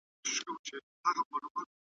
کلتوري ارزښتونه د سياست بڼه ټاکي.